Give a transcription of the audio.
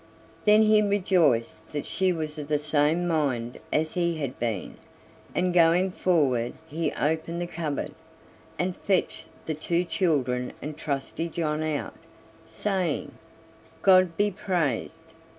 Then he rejoiced that she was of the same mind as he had been, and going forward he opened the cupboard, and fetched the two children and Trusty John out, saying: "God be praised!